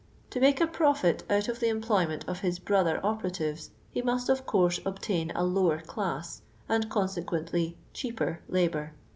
To make a proHt nut of the emuloyoient of his brother operatives he nimt, of course, obuiin a lower claiu and, coitsequently, c!)caper labour.